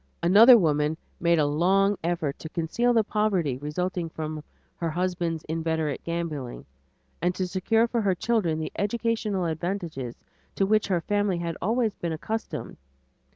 Another woman made a long effort to conceal the poverty resulting from her husband's inveterate gambling and to secure for her children the educational advantages to which her family had always been accustomed.